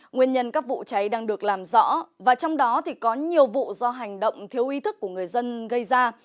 nguyên nhân các vụ cháy đang được làm rõ và trong đó có nhiều vụ do hành động thiếu ý thức của người dân gây ra